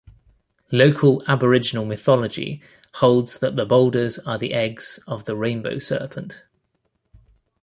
Local Aboriginal mythology holds that the boulders are the eggs of the Rainbow Serpent.